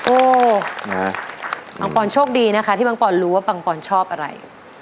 โอ้ปังปอนโชคดีนะคะที่ปังปอนรู้ว่าปังปอนชอบอะไร